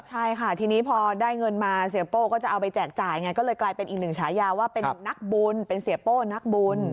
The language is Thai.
ใช่ค่ะทีนี้พอได้เงินมาเสียโป้ก็จะเอาไปแจกจ่ายไงก็เลยกลายเป็นอีกหนึ่งฉายาว่าเป็นนักบุญเป็นเสียโป้นักบุญ